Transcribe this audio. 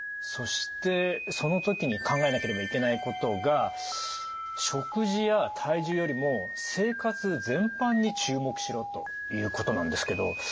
そしてその時に考えなければいけないことが「食事や体重よりも生活全般に注目」しろということなんですけど。